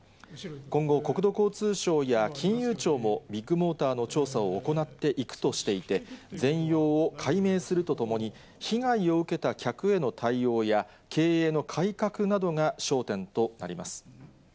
今後、国土交通省や金融庁もビッグモーターの調査を行っていくとしていて、全容を解明するとともに、被害を受けた客への対応や、経営の改革などが焦点となります。